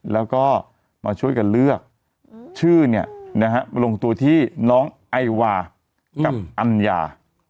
แล้วก็มาช่วยกันเลือกชื่อเนี่ยนะฮะมาลงตัวที่น้องไอวากับอัญญา